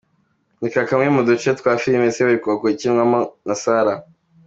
Reba Kamwe mu duce twa filime Seburikoko ikinwamo na Sarah.